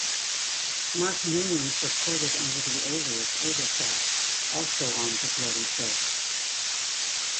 Mark Newlands recorded under the alias Overcast, also on the Bloody Fist.